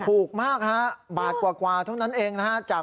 ถูกมากฮะบาทกว่าเท่านั้นเองนะฮะ